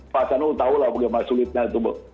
pak sadu tahulah bagaimana sulitnya itu